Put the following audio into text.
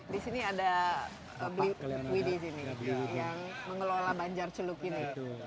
di sini ada widi yang mengelola banjar celuk ini